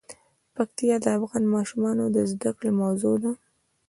پکتیا د افغان ماشومانو د زده کړې موضوع ده.